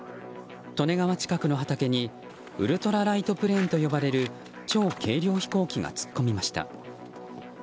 利根川近くの畑にウルトラライトプレーンと呼ばれる超軽量飛行機が突っ込みました。